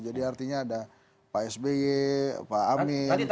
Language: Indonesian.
jadi artinya ada pak sby pak amin pak salim